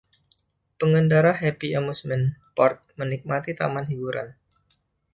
Pengendara Happy Amusement Park menikmati taman hiburan.